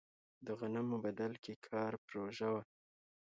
د غنمو بدل کې کار پروژه وه.